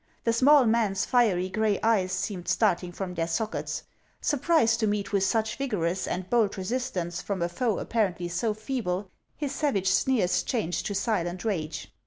The small man's fiery gray eyes seemed starting from their sockets. Surprised to meet with such vigorous and bold resistance from a foe appar ently so feeble, his savage sneers changed to silent rage.